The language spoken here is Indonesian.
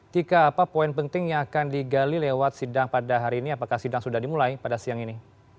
tika apa poin penting yang akan digali lewat sidang pada hari ini apakah sidang sudah dimulai pada siang ini